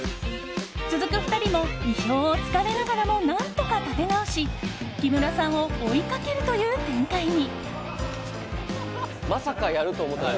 続く２人も意表を突かれながらも何とか立て直し木村さんを追いかけるという展開に。